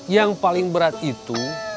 yang paling berat itu